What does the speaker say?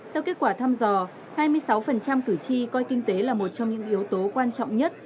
theo kết quả thăm dò hai mươi sáu cử tri coi kinh tế là một trong những yếu tố quan trọng nhất